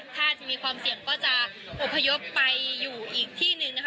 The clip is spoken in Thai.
ถ้าจะมีความเสี่ยงก็จะอบพยพไปอยู่อีกที่หนึ่งนะคะ